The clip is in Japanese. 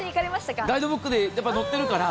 ガイドブックに載ってるから。